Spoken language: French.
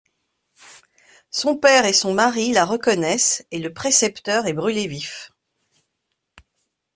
Son père et son mari la reconnaissent, et le précepteur est brûlé vif.